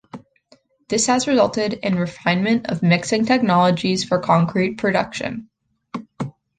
This has resulted in refinement of mixing technologies for concrete production.